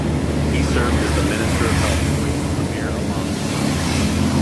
He served as the minister of health replacing Amir Alam in the post.